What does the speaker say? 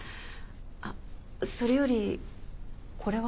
あっそれよりこれは？